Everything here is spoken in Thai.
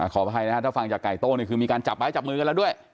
ขออภัยนะครับถ้าฟังจากไก่โต้นี่คือมีการจับไม้จับมือกันแล้วด้วย